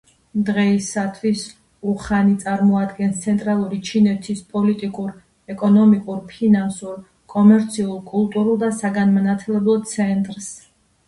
დღეისათვის, უხანი წარმოადგენს ცენტრალური ჩინეთის პოლიტიკურ, ეკონომიკურ, ფინანსურ, კომერციულ, კულტურულ და საგანმანათლებლო ცენტრს.